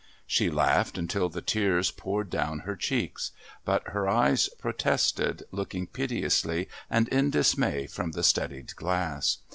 She laughed until the tears poured down her cheeks, but her eyes protested, looking piteously and in dismay from the studied glass.